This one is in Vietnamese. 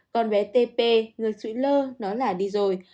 con bé t p ngược sụi lơ nó là đi rồi